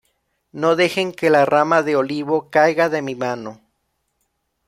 No dejen que la rama de olivo caiga de mi mano".